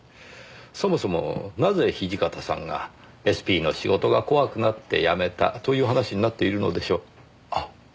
そもそもなぜ土方さんがＳＰの仕事が怖くなって辞めたという話になっているのでしょう？